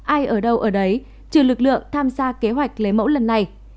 ai ở đâu ở đấy trừ lực lượng tham gia kế hoạch lấy mẫu lần này